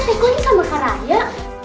hah teguh ini sama kak raya